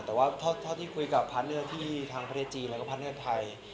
แต่ว่าเท่าที่คุยกับพันธุ์เนื้อที่ทางประเทศจีนและพันธุ์เนื้อไทย